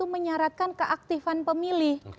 menyaratkan keaktifan pemilih